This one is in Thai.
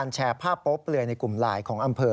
แชร์ภาพโป๊เปลือยในกลุ่มไลน์ของอำเภอ